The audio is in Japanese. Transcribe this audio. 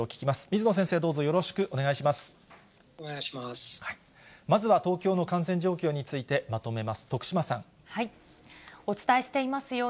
まずは東京の感染状況についてまとめます。